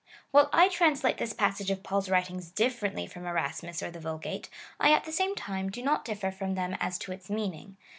While I translate this passage of Paul's writings differently from Erasmus or the Vulgate, I at the same time do not differ from them as to its meaning.